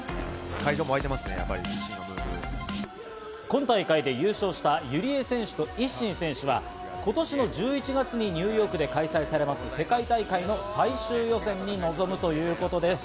今大会で優勝したＹＵＲＩＥ選手とＩＳＳＩＮ選手は今年１１月にニューヨークで開催される世界大会の最終予選に臨むということです。